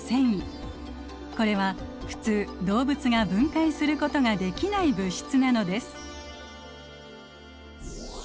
これは普通動物が分解することができない物質なのです。